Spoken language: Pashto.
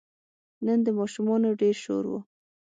نن د ماشومانو ډېر شور و.